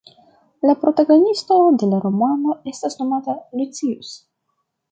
La protagonisto de la romano estas nomata Lucius.